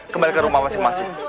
kembali ke rumah masing masing